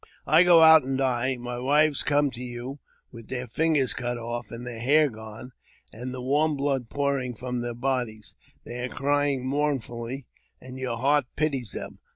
I go out and die. My wives come to you with their fingers cut off, their hair gone, and the warm blood pouring from their bodies. They are crying mournfully, and your heart pities them.